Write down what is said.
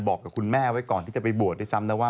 บอกกับคุณแม่ไว้ก่อนที่จะไปบวชด้วยซ้ำนะว่า